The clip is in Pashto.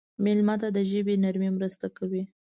مېلمه ته د ژبې نرمي مرسته کوي.